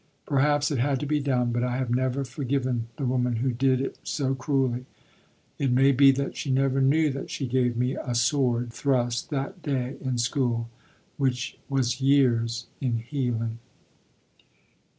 Perhaps it had to be done, but I have never forgiven the woman who did it so cruelly. It may be that she never knew that she gave me a sword thrust that day in school which was years in healing.